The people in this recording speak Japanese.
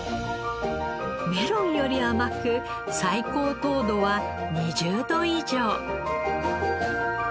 メロンより甘く最高糖度は２０度以上。